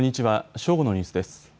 正午のニュースです。